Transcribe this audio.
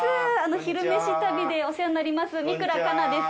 「昼めし旅」でお世話になります三倉佳奈です。